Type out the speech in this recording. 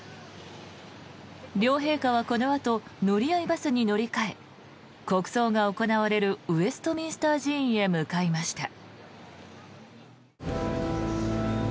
両陛下はこのあと乗り合いバスに乗り換え国葬が行われるウェストミンスター寺院へ向かいました。